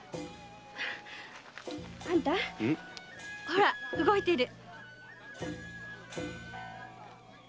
あんたほら動いてる。